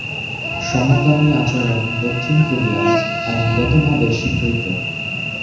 সমকামি আচরণ দক্ষিণ কোরিয়ায় আইনগতভাবে স্বীকৃত।